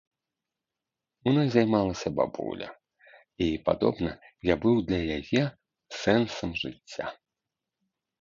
Мной займалася бабуля, і, падобна, я быў для яе сэнсам жыцця.